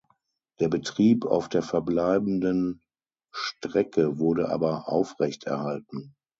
Der Betrieb auf der verbleibenden Strecke wurde aber aufrechterhalten.